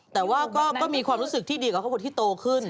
แต่ว่าก็มีความรู้สึกที่ดีกว่าครอบครัวที่โตขึ้น